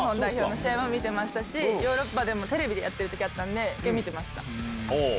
試合も見てましたし、ヨーロッパでもテレビでやってるときあったんで、見てました。